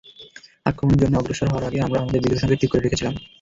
আক্রমণের জন্য অগ্রসর হওয়ার আগে, আমরা আমাদের বিজয় সংকেত ঠিক করে রেখেছিলাম।